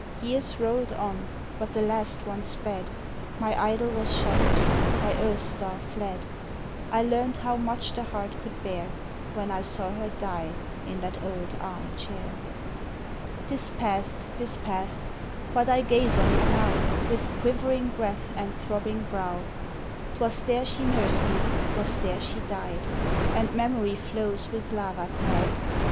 Years rolled on, but the last one sped My idol was shattered, my earth star fled; I learned how much the heart could bear, When I saw her die in that old arm chair. 'Tis past, 'tis past, but I gaze on it now With quivering breath and throbbing brow: 'Twas there she nursed me, 'twas there she died; And memory flows with lava tide.